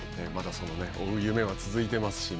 追う夢は続いてますしね。